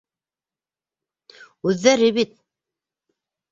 Үҙҙәре бит...